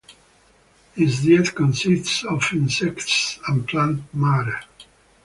Its diet consists of insects and plant matter.